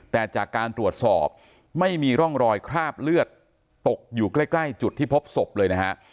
แต่จากการตรวจสอบไม่มีร่องรอยคราบเลือดตกอยู่ใกล้จุดที่พบศพเลยนะฮะ